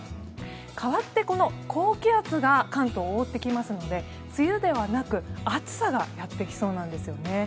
かわって、この高気圧が関東を覆ってきますので梅雨ではなく暑さがやってきそうなんです。